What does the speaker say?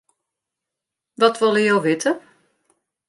Wat wolle jo witte?